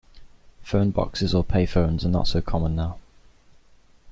Phone boxes or payphones are not so common now